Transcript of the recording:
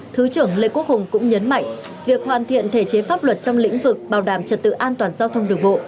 thứ trưởng lê quốc hùng cũng nhấn mạnh việc hoàn thiện thể chế pháp luật trong lĩnh vực bảo đảm trật tự an toàn giao thông đường bộ